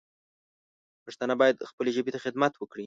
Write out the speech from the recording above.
پښتانه باید خپلې ژبې ته خدمت وکړي